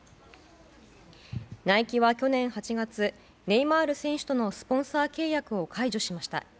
ナイキは去年８月ネイマール選手とのスポンサー契約を解除しました。